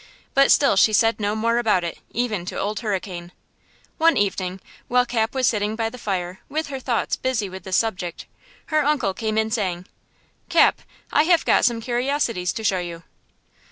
But still she said no more about it even to Old Hurricane. One evening, while Cap was sitting by the fire with her thoughts busy with this subject, her uncle came in saying: "Cap, I have got some curiosities to show you!"